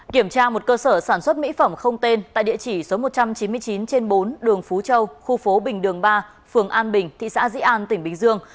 kiểm tra một cơ sở sản xuất mỹ phẩm không tên tại địa chỉ số một trăm chín mươi chín trên bốn đường phú châu khu phố bình đường ba phường an bình thị xã dĩ an tỉnh bình dương